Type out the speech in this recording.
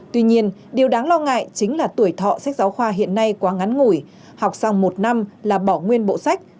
tuy nhiên điều đáng lo ngại chính là tuổi thọ sách giáo khoa hiện nay quá ngắn ngủi học xong một năm là bỏ nguyên bộ sách